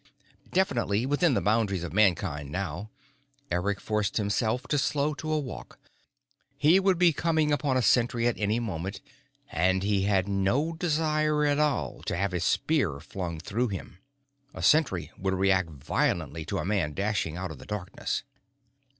Definitely within the boundaries of Mankind now, Eric forced himself to slow to a walk. He would be coming upon a sentry at any moment, and he had no desire at all to have a spear flung through him. A sentry would react violently to a man dashing out of the darkness.